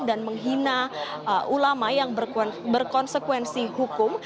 dan menghina ulama yang berkonsekuensi hukum